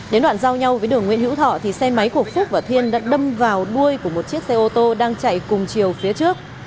đến đoạn giao nhau với đường nguyễn hữu thọ thì xe máy của phúc và thiên đã đâm vào đuôi của một chiếc xe ô tô đang chạy cùng chiều phía trước